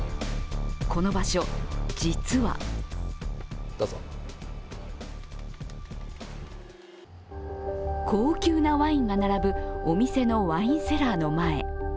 この場所、実は高級なワインが並ぶお店のワインセラーの前。